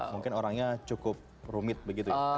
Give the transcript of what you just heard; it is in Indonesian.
mungkin orangnya cukup rumit begitu ya